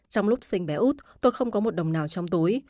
trong lúc sinh bé út tôi không có một đồng nào trong tối